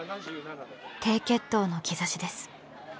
低血糖の兆しです。